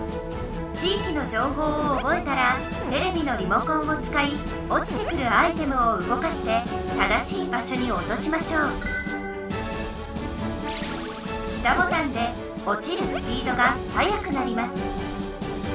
地域のじょうほうを覚えたらテレビのリモコンをつかいおちてくるアイテムをうごかして正しい場所におとしましょう下ボタンでおちるスピードがはやくなります